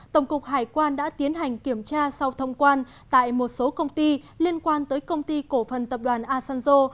tổng cục hải quan đã tiến hành kiểm tra sau thông quan tại một số công ty liên quan tới công ty cổ phần tập đoàn asanzo